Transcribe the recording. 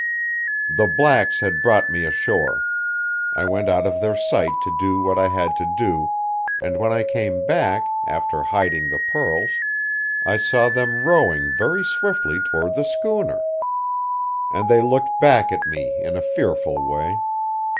"The blacks had brought me ashore. I went out of their sight to do what I had to do; and when I came back, after hiding the pearls, I saw them rowing very swiftly toward the schooner. And they looked back at me in a fearful way.